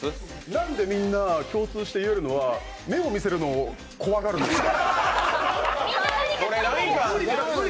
なんでみんな、共通して言えるのは目を見せるのを怖がるんですか？